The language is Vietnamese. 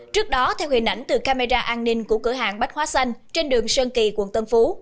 trước đó theo hình ảnh từ camera an ninh của cửa hàng bách hóa xanh trên đường sơn kỳ quận tân phú